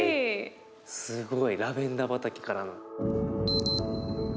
すごいラベンダー畑からの。